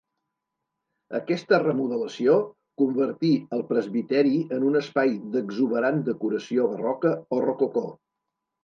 Aquesta remodelació convertí el presbiteri en un espai d'exuberant decoració barroca, o rococó.